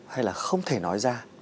hay là không thể nói ra